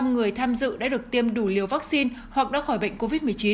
một mươi người tham dự đã được tiêm đủ liều vaccine hoặc đã khỏi bệnh covid một mươi chín